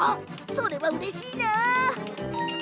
それは、うれしい。